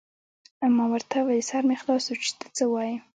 ما ورته وویل: سر مې خلاص شو، چې ته څه وایې.